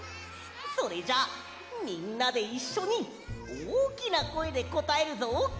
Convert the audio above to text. それじゃあみんなでいっしょにおおきなこえでこたえるぞ！